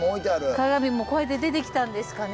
鏡もこうやって出てきたんですかね？